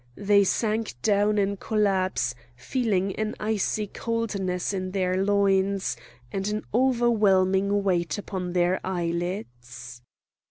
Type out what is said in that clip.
They sank down in collapse, feeling an icy coldness in their loins, and an overwhelming weight upon their eyelids.